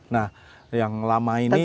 nah yang lama ini